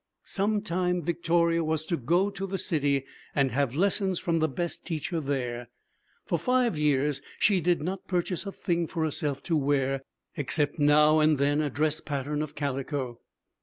Some time Victoria was to go to the city and have lessons from the best teacher there. For five years she did not purchase a thing for herself to wear, except now and then a dress pattern of calico.